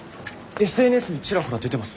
ＳＮＳにちらほら出てます。